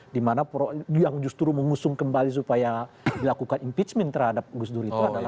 dimana yang justru mengusung kembali supaya dilakukan impeachment terhadap gus dur itu adalah